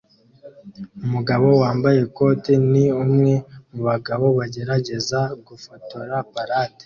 Umugabo wambaye ikote ni umwe mubantu bagerageza gufotora parade